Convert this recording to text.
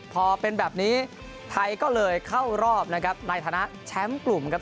พอเป็นแบบนี้ไทยก็เลยเข้ารอบนะครับในฐานะแชมป์กลุ่มครับ